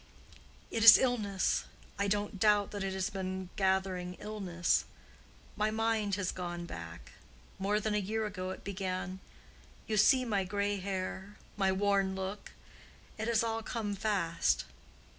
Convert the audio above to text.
"It is illness, I don't doubt that it has been gathering illness—my mind has gone back: more than a year ago it began. You see my gray hair, my worn look: it has all come fast.